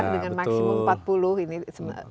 dengan maksimum empat puluh